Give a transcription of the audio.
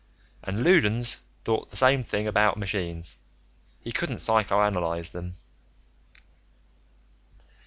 And Loudons thought the same thing about machines: he couldn't psychoanalyze them.